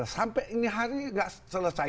sampai ini hari gak selesai